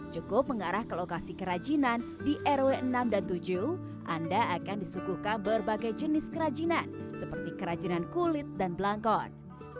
cukup mengarah ke lokasi kerajinan di rw enam dan tujuh anda akan disukuhkan berbagai jenis kerajinan seperti kerajinan kulit dan belangkon